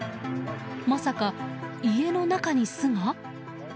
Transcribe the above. まさか家の中に巣が？